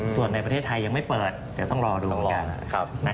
ส่วนในประเทศไทยยังไม่เปิดแต่ต้องรอดูเหมือนกัน